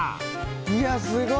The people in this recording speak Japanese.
いや、すごい。